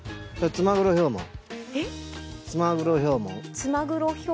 ツマグロヒョウモン。